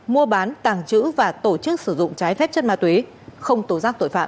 mua bán tàng trữ và tổ chức sử dụng trái phép chất ma túy không tố giác tội phạm